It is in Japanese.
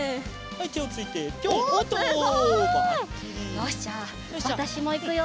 よしじゃあわたしもいくよ。